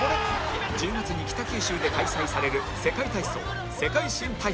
１０月に北九州で開催される世界体操世界新体操